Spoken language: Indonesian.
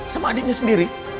sama adiknya sendiri